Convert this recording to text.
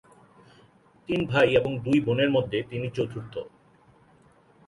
তিন ভাই এবং দুই বোনের মধ্যে তিনি চতুর্থ।